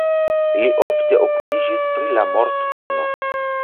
Li ofte okupiĝis pri la mortpuno.